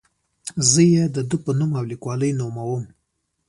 زه یې د ده په نوم او لیکلوالۍ نوموم.